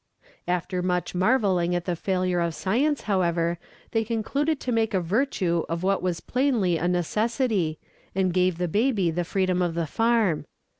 After much marvelling at the failure of science, however, they concluded to make a virtue of what was plainly a necessity, and gave the baby the freedom of the farm.